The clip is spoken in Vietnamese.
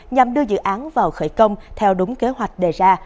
nhằm đưa dự án vào khởi công theo đúng kế hoạch đề ra